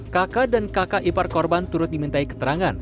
kakak dan kakak ipar korban turut dimintai keterangan